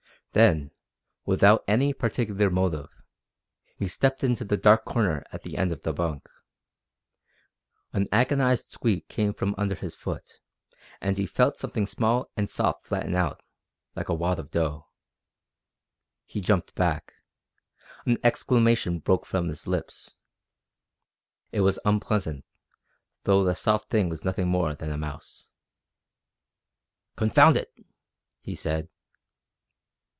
Then, without any particular motive, he stepped into the dark corner at the end of the bunk. An agonized squeak came from under his foot, and he felt something small and soft flatten out, like a wad of dough. He jumped back. An exclamation broke from his lips. It was unpleasant, though the soft thing was nothing more than a mouse. "Confound it!" he said.